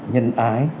thịnh thần nhân ái